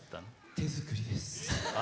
手作りです。